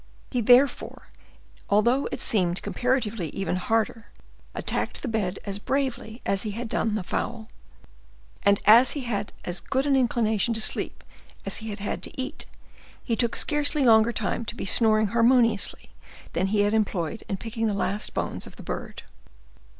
He, therefore, although it seemed comparatively even harder, attacked the bed as bravely as he had done the fowl; and, as he had as good an inclination to sleep as he had had to eat, he took scarcely longer time to be snoring harmoniously than he had employed in picking the last bones of the bird.